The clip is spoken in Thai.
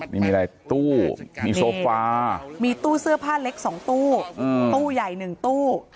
นี่มีอะไรตู้มีโซฟามีตู้เสื้อผ้าเล็ก๒ตู้ตู้ใหญ่๑ตู้